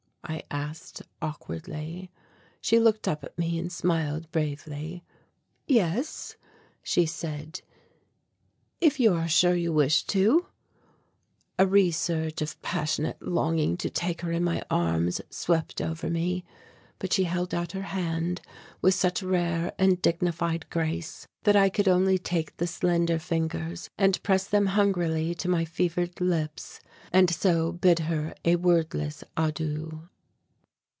I asked awkwardly. She looked up at me and smiled bravely. "Yes," she said, "if you are sure you wish to." A resurge of passionate longing to take her in my arms swept over me, but she held out her hand with such rare and dignified grace that I could only take the slender fingers and press them hungrily to my fevered lips and so bid her a wordless adieu.